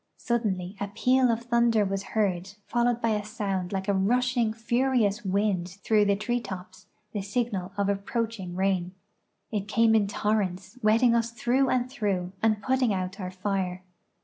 Suddenly a peal of thunder was heard, followed by a sound like a rushing, furious wind through the tree tops, the signal of approaching rain. It came in torrents, wetting us through and through, and putting out our fire.